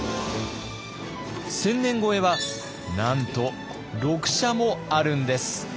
千年超えはなんと６社もあるんです。